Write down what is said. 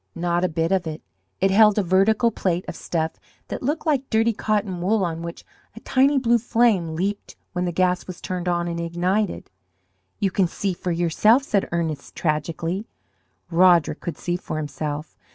Not a bit of it. It held a vertical plate of stuff that looked like dirty cotton wool, on which a tiny blue flame leaped when the gas was turned on and ignited. "You can see for yourself!" said Ernest tragically. Roderick could see for himself.